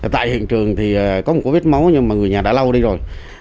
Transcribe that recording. tại hiện trường thì có một cú vết máu nhưng mà người nhà đã lau đi rồi